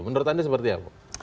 menurut anda seperti apa